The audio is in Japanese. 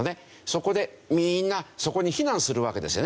そこでみんなそこに避難するわけですよね。